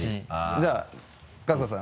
じゃあ春日さん。